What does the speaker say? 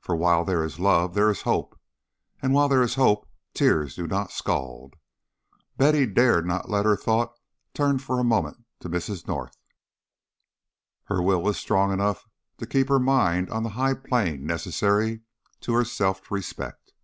For while there is love there is hope, and while there is hope tears do not scald. Betty dared not let her thought turn for a moment to Mrs. North. Her will was strong enough to keep her mind on the high plane necessary to her self respect.